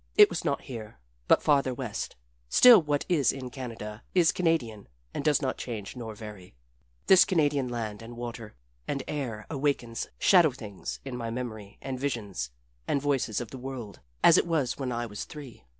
It was not here, but farther west still what is in Canada is Canadian and does not change nor vary. This Canadian land and water and air awakens shadow things in my memory and visions and voices of the world as it was when I was three.